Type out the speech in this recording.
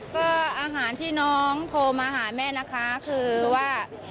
ก็อาหารที่น้องโทรมาหาแม่นะคะคือว่า